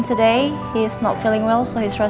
dia tidak berasa baik jadi dia berdiri di rumah